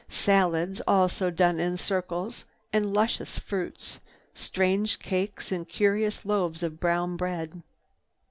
Salads, also done in circles, and luscious fruits, strange cakes and curious loaves of brown bread.